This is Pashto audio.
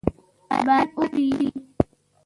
باران اوري.